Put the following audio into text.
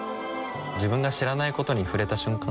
自分が知らないことに触れた瞬間